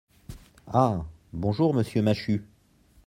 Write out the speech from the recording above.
Ah ! bonjour, monsieur Machut.